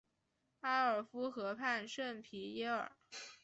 埃尔夫河畔圣皮耶尔。